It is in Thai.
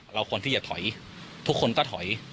เราคนที่อยากถอยทุกคนก็ถอย